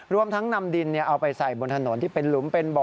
รวมทั้งนำดินเอาไปใส่บนถนนที่เป็นหลุมเป็นบ่อ